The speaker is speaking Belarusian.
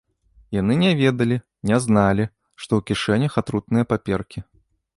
Яны не ведалі, не зналі, што ў кішэнях атрутныя паперкі.